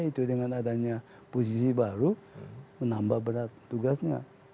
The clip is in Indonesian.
itu dengan adanya posisi baru menambah berat tugasnya